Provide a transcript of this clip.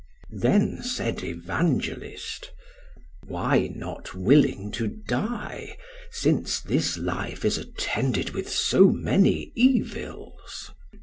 "Then said Evangelist, 'Why not willing to die, since this life is attended with so many evils?'